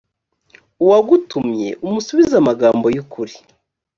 uwagutumye umusubize amagambo y ukuri